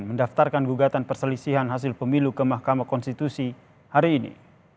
mendaftarkan gugatan perselisihan hasil pemilu ke mahkamah konstitusi hari ini